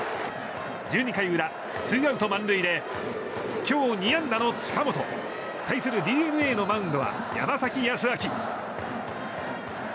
１２回裏、ツーアウト満塁で今日２安打の近本。対するＤｅＮＡのマウンドは山崎康晃。